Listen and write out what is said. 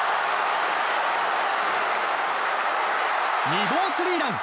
２号スリーラン。